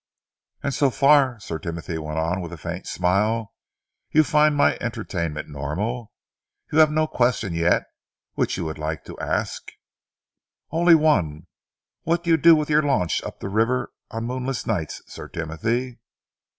"And so far," Sir Timothy went on, with a faint smile, "you find my entertainment normal? You have no question yet which you would like to ask?" "Only one what do you do with your launch up the river on moonless nights, Sir Timothy?"